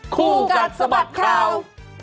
คู่กัดสะบัดข่าว